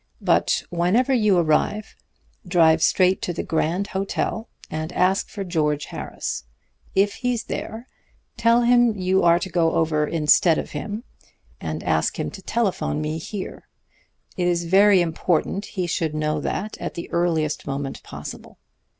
But whenever you arrive, drive straight to the Grand Hotel and ask for George Harris. If he's there, tell him you are to go over instead of him, and ask him to telephone me here. It is very important he should know that at the earliest moment possible.